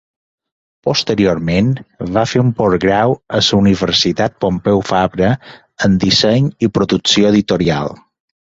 Posteriorment va fer un postgrau a la Universitat Pompeu Fabra en Disseny i Producció Editorial.